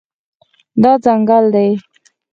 دا ځنګل دی